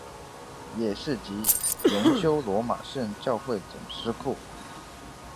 也是及荣休罗马圣教会总司库。